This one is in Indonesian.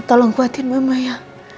tolong kuatkan mama ya